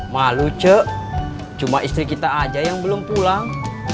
malu cek cuma istri kita aja yang belum pulang